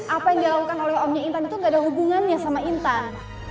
apa yang dilakukan oleh omnya intan itu gak ada hubungannya sama intan